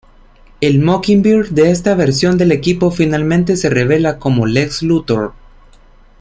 El Mockingbird de esta versión del equipo finalmente se revela como Lex Luthor.